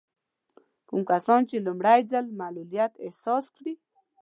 کوم کسان چې لومړی ځل معلوليت احساس کړي.